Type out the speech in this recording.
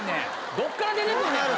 どっから出てくんねん。